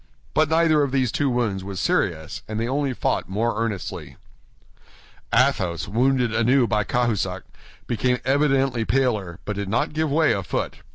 But neither of these two wounds was serious, and they only fought more earnestly. Athos, wounded anew by Cahusac, became evidently paler, but did not give way a foot.